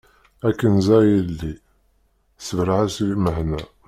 A Kenza a yelli sbeṛ-as i lmeḥna.